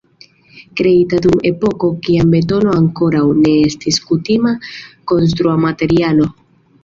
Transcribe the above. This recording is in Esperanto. Kreita dum epoko, kiam betono ankoraŭ ne estis kutima konstrumaterialo.